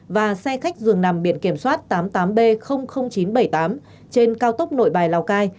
và xe khách dường nằm biển kiểm soát tám mươi tám b chín trăm bảy mươi tám trên cao tốc nội bài lào cai